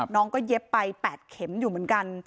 น้องก็เย็บไป๘เข็มอยู่เหมือนกัน